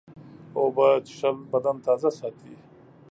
اوبه څښل بدن تازه ساتي.